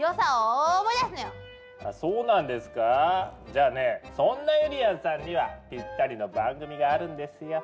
じゃあねそんなゆりやんさんにはぴったりの番組があるんですよ。